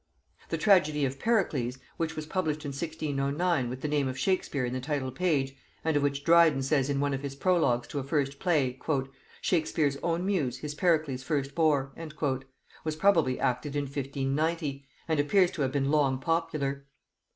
The tragedy of Pericles, which was published in 1609 with the name of Shakespeare in the title page, and of which Dryden says in one of his prologues to a first play, "Shakespeare's own muse his Pericles first bore," was probably acted in 1590, and appears to have been long popular.